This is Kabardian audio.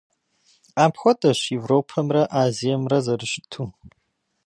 Апхуэдэщ Европэмрэ Азиемрэ зэрыщыту.